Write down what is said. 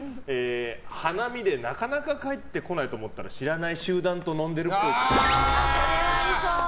花見でなかなか帰ってこないと思ったら知らない集団と飲んでるっぽい。